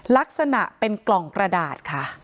ลักษณะเป็นกล่องกระดาษค่ะ